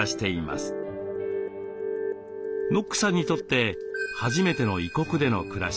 ノックさんにとって初めての異国での暮らし。